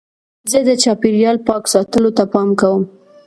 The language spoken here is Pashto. زه د چاپېریال پاک ساتلو ته پام کوم.